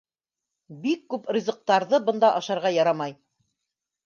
Бик күп ризыҡтарҙы бында ашарға ярамай.